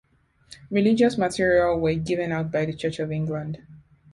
Religious material were given out by the church of England.